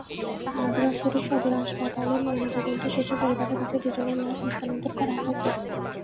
খাগড়াছড়ি সদর হাসপাতালে ময়নাতদন্ত শেষে পরিবারের কাছে দুজনের লাশ হস্তান্তর করা হয়েছে।